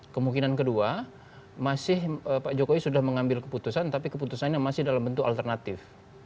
kemungkinan kedua masih pak jokowi sudah mengambil keputusan tapi keputusannya masih dalam bentuk alternatif